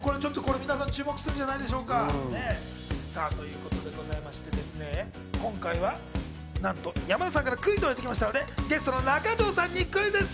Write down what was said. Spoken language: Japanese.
初恋タローさんのＹｏｕＴｕｂｅ、皆さん注目するんじゃないでしょうか。ということでございまして、今回はなんと山田さんからクイズをいただいていますので、ゲストの中条さんにクイズッス。